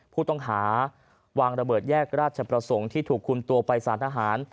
ผู้ต้องหาวางระเบิดแยกราชประสงค์ที่ถูกคุมตัวไปสารทหาร